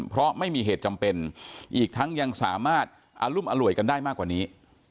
เพราะไม่มีเหตุจำเป็นอีกทั้งยังสามารถอรุมอร่วยกันได้มากกว่านี้